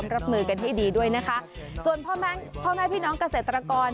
รับมือกันให้ดีด้วยนะคะส่วนพ่อแม่พี่น้องเกษตรกร